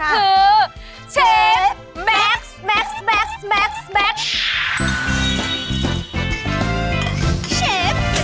เชฟแม็กซ์แม็กซ์แม็กซ์แม็กซ์